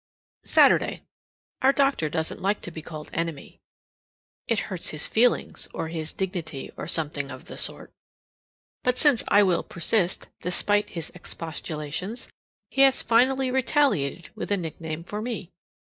Saturday. Our doctor doesn't like to be called "Enemy." It hurts his feelings or his dignity or something of the sort. But since I will persist, despite his expostulations, he has finally retaliated with a nickname for me.